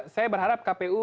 saya berharap kpu